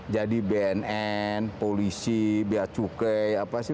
jadi bnn polisi biar cukai